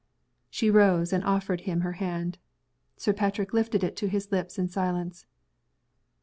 She rose, and offered him her hand. Sir Patrick lifted it to his lips in silence.